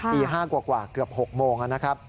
ตี๕กว่าเกือบ๖โมง